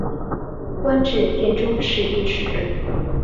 官至殿中侍御史。